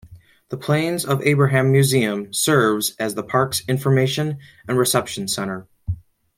The Plains of Abraham Museum serves as the park's information and reception centre.